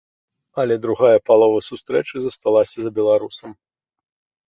Але другая палова сустрэчы засталася за беларусам.